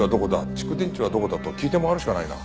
蓄電池はどこだ？と聞いて回るしかないな。